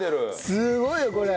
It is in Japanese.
すごいよこれ。